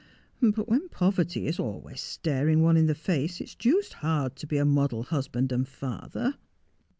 ' But when poverty is always staring one in the face, it's deuced hard to be a model husband and father.'